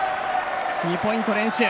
２ポイント連取。